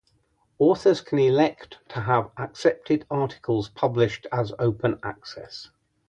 Authors can elect to have accepted articles published as open access.